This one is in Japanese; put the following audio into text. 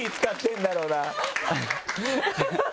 ハハハハ！